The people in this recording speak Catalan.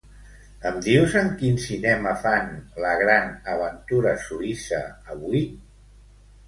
Em dius en quin cinema fan "La gran aventura suïssa" avui?